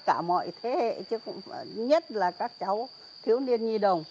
cả mọi thế hệ nhất là các cháu thiếu niên nhi đồng